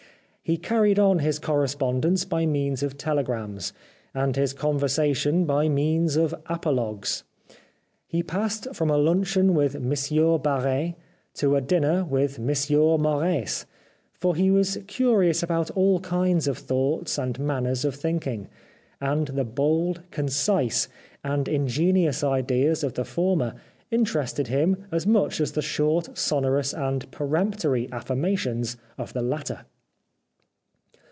He carried on his correspondence by means of telegrams, and his conversation by means of apologues. He passed from a luncheon with Monsieur Barres to a dinner with Monsieur Moreas, for he was curious about all kinds of thoughts and manners of thinking, and the bold, 343 The Life of Oscar Wilde concise and ingenious ideas of the former in terested him as much as the short, sonorous and peremptory affirmations of the latter.